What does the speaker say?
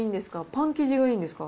パン生地がいいんですか。